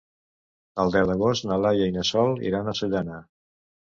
El deu d'agost na Laia i na Sol iran a Sollana.